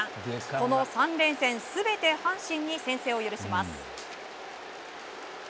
この３連戦全て阪神に先制を許します。